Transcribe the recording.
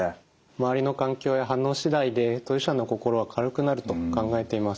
周りの環境や反応しだいで当事者の心は軽くなると考えています。